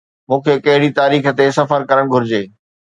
مون کي ڪهڙي تاريخ تي سفر ڪرڻ گهرجي؟